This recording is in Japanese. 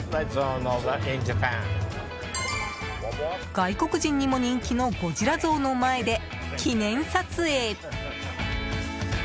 外国人にも人気のゴジラ像の前で記念撮影。